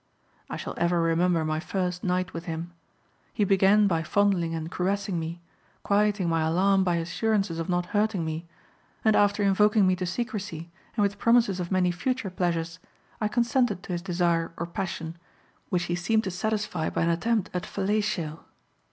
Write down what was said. I shall ever remember my first night with him; he began by fondling and caressing me, quieting my alarm by assurances of not hurting me, and after invoking me to secrecy and with promises of many future pleasures, I consented to his desire or passion, which he seemed to satisfy by an attempt at fellatio.